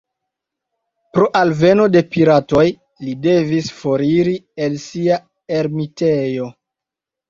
Pro alveno de piratoj, li devis foriri el sia ermitejo.